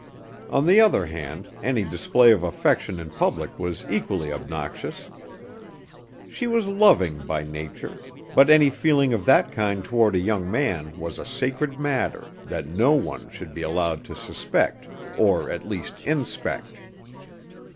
On the other hand, any display of affection in public was equally obnoxious. She was loving by nature, but any feeling of that kind toward a young man was a sacred matter, that no one should be allowed to suspect, or at least inspect.